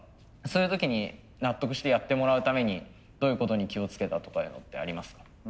そういう時に納得してやってもらうためにどういうことに気をつけたとかいうのってありますか？